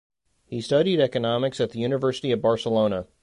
He studied economics at the University of Barcelona.